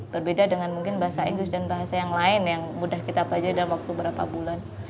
berbeda dengan mungkin bahasa inggris dan bahasa yang lain yang mudah kita pelajari dalam waktu berapa bulan